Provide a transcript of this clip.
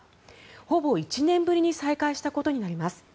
ほぼ１年ぶりに再開したことになります。